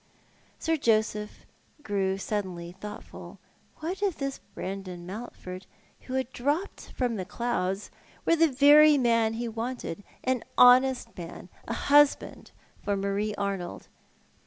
Sir Joseph grew suddenly thoughtful. What if this Brandon Mountford, who had dropped from the clouds, were the very man he wanted — an honest man, and a husband for Marie Arnold